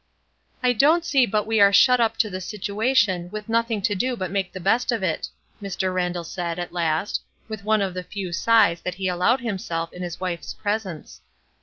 " I don't see but we are shut up to the situation with nothing to do but make the best of it,'' Mr. Randall said, at last, with one of the few sighs that he allowed himself in his wife's presence.